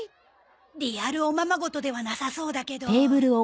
リアルおままごとではなさそうだけど。